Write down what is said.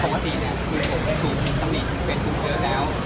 ปกติเนี่ยคือผมในภูมิธรรมดีเป็นภูมิเกิดแล้ว